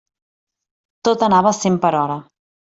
Tot anava a cent per hora.